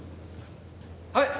はい。